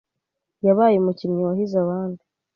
Yabaye umukinnyi wahize abandi